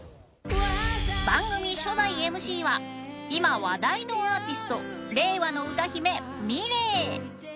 番組初代 ＭＣ は今話題のアーティスト令和の歌姫 ｍｉｌｅｔ